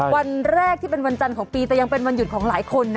วันแรกที่เป็นวันจันทร์ของปีแต่ยังเป็นวันหยุดของหลายคนนะ